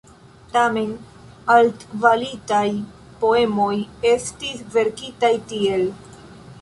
Tamen altkvalitaj poemoj estis verkitaj tiel.